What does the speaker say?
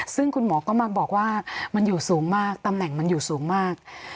ซึ่งคุณหมอก็มาบอกว่ามันอยู่สูงมากตำแหน่งมันอยู่สูงมาก